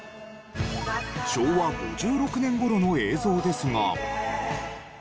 昭和５６年頃の映像ですが。